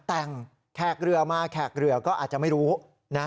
แต่งแขกเรือมาแขกเรือก็อาจจะไม่รู้นะ